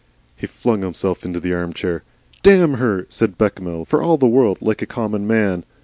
He flung himself into the armchair. "Damn her," said Bechamel, for all the world like a common man.